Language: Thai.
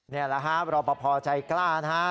นี่แหละครับรอบพพอใจกล้านะครับ